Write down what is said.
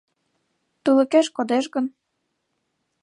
Тулыкеш кодеш гын